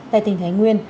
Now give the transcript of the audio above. tại tỉnh thái nguyên